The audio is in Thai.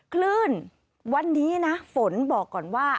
คลื่นวันนี้นะฝนบอกก่อนว่า